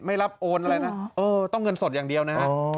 ไม่รับโอนอะไรนะเออต้องเงินสดอย่างเดียวนะฮะ